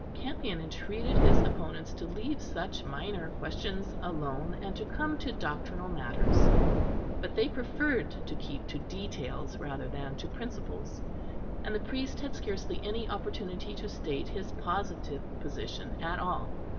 Campion entreated his opponents to leave such minor questions alone, and to come to doctrinal matters; but they preferred to keep to details rather than to principles, and the priest had scarcely any opportunity to state his positive position at all.